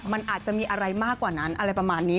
มันอาจจะมีอะไรมากกว่านั้นอะไรประมาณนี้